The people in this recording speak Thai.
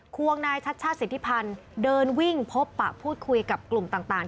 วงนายชัชชาติสิทธิพันธ์เดินวิ่งพบปะพูดคุยกับกลุ่มต่าง